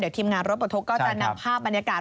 เดี๋ยวทีมงานรถประทบก็จะนำภาพบรรยากาศ